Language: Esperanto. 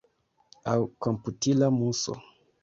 Aŭ komputila muso.